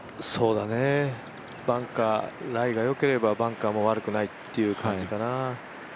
ライがよければ、バンカーも悪くないという感じかな。